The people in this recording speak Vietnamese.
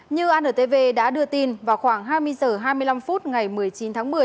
như antv đã đưa tin vào khoảng hai mươi h hai mươi năm phút ngày một mươi chín tháng một mươi